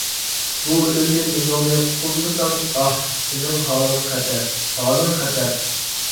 بۇ ئۆلۈمدىن ئۆزۈڭنى قۇتقۇزمىساڭ، ئاھ، سېنىڭ ھالىڭ خەتەر، ھالىڭ خەتەر.